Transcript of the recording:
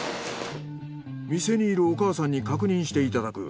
店にいるお母さんに確認していただく。